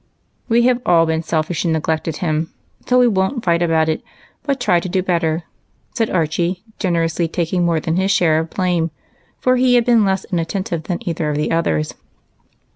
" We have all been selfish and neglected him, so we won't fight about it, but try and do better," said Archie, generously taking more than his share of blame, for he had been less inattentive than either of the others.